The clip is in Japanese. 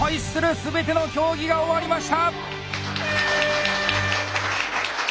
全ての競技が終わりました。